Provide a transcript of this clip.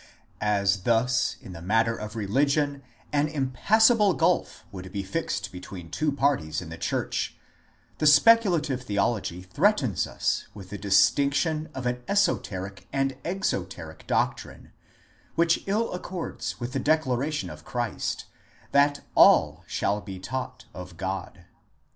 As thus in the matter of religion an impassable gulf would be fixed between two parties in the church, the speculative theology threatens us with the distinction of an esoteric and exo teric doctrine, which ill accords with the declaration of Christ, that all shall be taught of God.